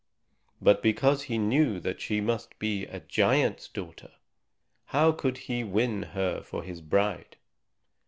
But because he knew that she must be a giant's daughter, how could he win her for his bride?